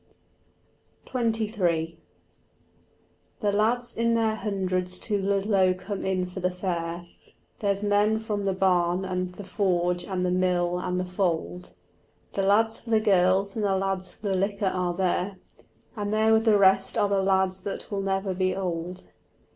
XXIII The lads in their hundreds to Ludlow come in for the fair, There's men from the barn and the forge and the mill and the fold, The lads for the girls and the lads for the liquor are there, And there with the rest are the lads that will never be old.